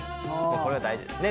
これが大事ですね。